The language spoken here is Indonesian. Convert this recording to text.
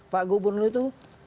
pak gubernur itu